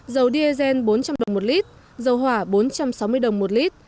dầu diesel bốn trăm linh đồng một lit dầu hỏa bốn trăm sáu mươi đồng một lit